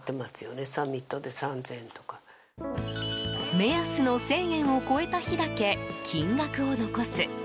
目安の１０００円を超えた日だけ金額を残す。